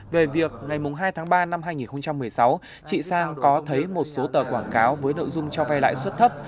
về việc ngày hai tháng ba năm hai nghìn một mươi sáu chị sang có thấy một số tờ quảng cáo với nội dung cho vay lãi suất thấp